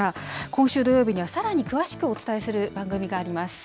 今週土曜日には、さらに詳しくお伝えする番組があります。